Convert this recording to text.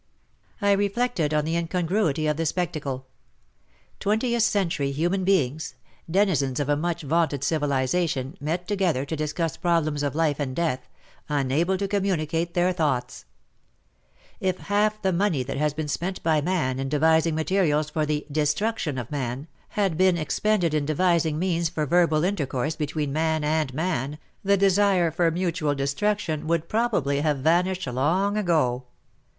I reflected on the incongruity of the spectacle. Twentieth century human beings — denizens of a much vaunted civilization, met together to discuss problems of life and death — unable to communicate their thoughts ! If half the money that has been spent by man, in devising materials for the desU^uction of man, had been expended in devising means for verbal inter course between man and man, the desire for mutual destruction would probably have van ished long ago.